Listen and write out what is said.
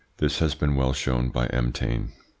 This has been well shown by M. Taine.